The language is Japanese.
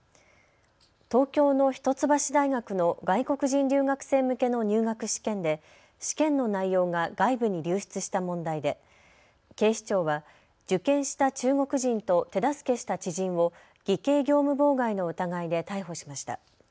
東京の一橋大学の外国人留学生向けの入学試験で試験の内容が外部に流出した問題で警視庁は受験した中国人と手助けした知人を偽計業務妨害の疑いで逮捕しました。